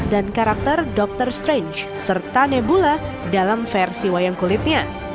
dan karakter doctor strange serta nebula dalam versi wayang kulitnya